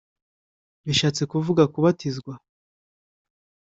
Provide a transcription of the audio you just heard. bishatse kuvuga kubatizwa